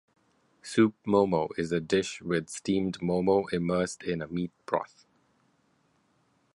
Soup momo is a dish with steamed momo immersed in a meat broth.